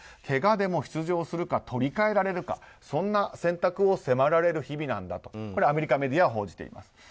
けがでも出場するか取り換えられるかそんな選択を迫られる日々だとアメリカメディアが報じています。